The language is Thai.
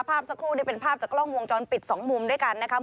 ภาพสักครู่นี่เป็นภาพจากกล้องวงจรปิดสองมุมด้วยกันนะครับ